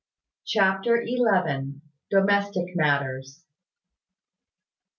CHAPTER ELEVEN. DOMESTIC MANNERS.